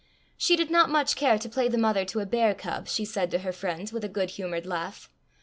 She did not much care to play the mother to a bear cub, she said to her friends, with a good humoured laugh.